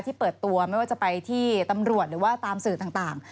เปิดตัวไม่ว่าจะไปที่ตำรวจหรือว่าตามสื่อต่าง